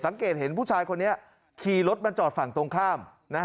สังเกตเห็นผู้ชายคนนี้ขี่รถมาจอดฝั่งตรงข้าม